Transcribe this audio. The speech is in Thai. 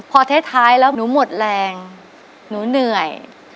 พอท้ายแล้วหนูหมดแรงหนูเหนื่อย